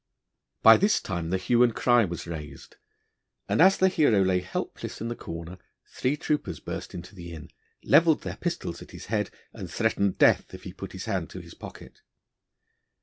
By this time the hue and cry was raised; and as the hero lay helpless in the corner three troopers burst into the inn, levelled their pistols at his head, and threatened death if he put his hand to his pocket.